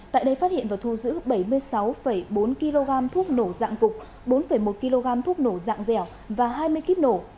tại đây phát hiện và thu giữ bảy mươi sáu bốn kg thuốc nổ dạng cục bốn một kg thuốc nổ dạng dẻo và hai mươi kíp nổ